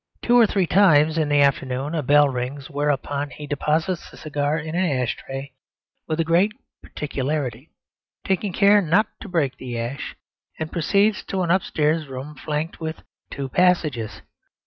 Two or three times in the afternoon a bell rings; whereupon he deposits the cigar in an ashtray with great particularity, taking care not to break the ash, and proceeds to an upstairs room, flanked with two passages.